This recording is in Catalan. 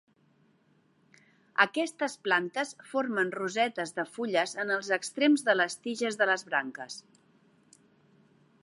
Aquestes plantes formen rosetes de fulles en els extrems de les tiges de les branques.